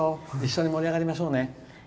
盛り上がりましょうね。